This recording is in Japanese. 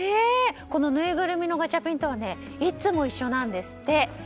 このぬいぐるみのガチャピンとはいつも一緒なんですって。